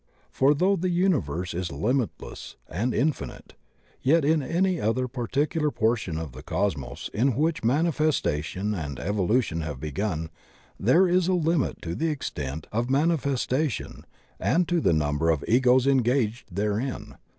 For though the uni verse is limitless and infinite, yet in any particular portion of Cosmos in which manifestation and evolu tion have begun there is a limit to the extent of mani festation and to the number of Egos engaged therein.